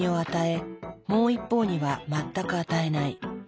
もう一方には全く与えない。